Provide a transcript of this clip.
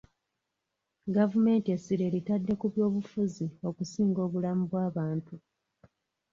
Gavumenti essira eritadde ku byobufuzi okusinga obulamu bw'abantu.